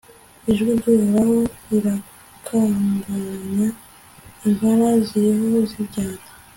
ijwi ry'uhoraho rirakangaranya impara ziriho zibyara